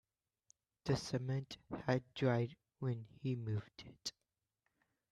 The cement had dried when he moved it.